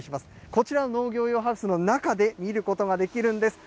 こちらの農業用ハウスの中で見ることができるんです。